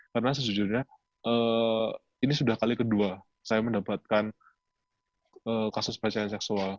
karena sejujurnya ini sudah kali kedua saya mendapatkan kasus pelecehan seksual